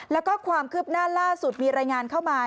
แล้วก็ความคืบหน้าล่าสุดมีรายงานเข้ามา